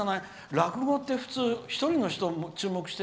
落語って普通１人の人に注目して。